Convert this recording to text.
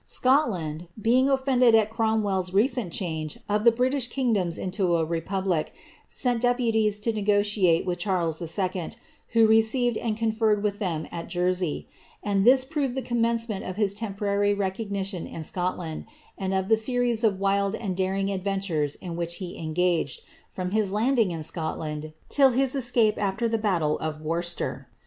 Scotland, being offended at Cromweirs recent change of the British kingdoms into a republic, sent deputies to nego tiate with Charles 11^ who received and conferred with them at Jersey ; and thia prored the commencement of his temporary recognition in Scotland, and of the series of wild and daring adventures in which he engaged, from his landing in Scotland till his escape af\er the battle of Worcester.